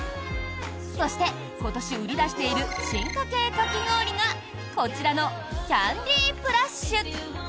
そして、今年売り出している進化系かき氷がこちらのＣａｎｄｙＰｌｕｓｈ。